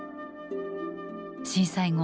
震災後